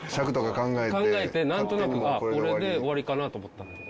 考えてなんとなくああこれで終わりかなと思ったの。